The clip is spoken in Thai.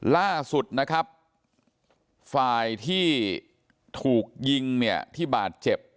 ล่าสุดนะครับฝ่ายที่ถูกยิงเนี่ยที่บาดเจ็บ